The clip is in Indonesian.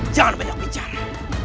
jangan banyak bicara